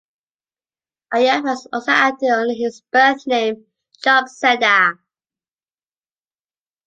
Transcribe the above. Ayub has also acted under his birth name, Job Seda.